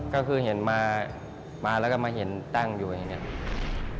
ก็คือเห็นมาแล้วก็มาเห็นตั้งอยู่อย่างนี้